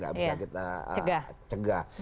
gak bisa kita cegah